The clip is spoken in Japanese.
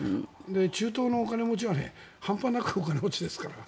中東のお金持ちは半端なくお金持ちですから。